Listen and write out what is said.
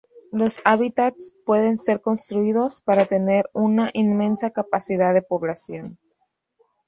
Los hábitats pueden ser construidos para tener una inmensa capacidad de población.